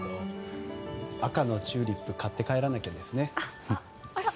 赤のチューリップ買って帰らなきゃですね。